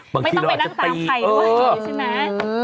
ไม่ต้องไปนั่งตามใครด้วยใช่ไหม